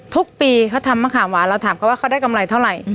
ทุกปีเขาทำมะขามหวานเราถามเขาว่าเขาได้กำไรเท่าไหร่